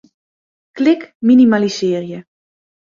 Klik Minimalisearje.